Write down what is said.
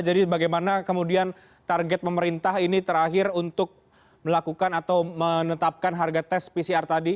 jadi bagaimana kemudian target pemerintah ini terakhir untuk melakukan atau menetapkan harga tes pcr tadi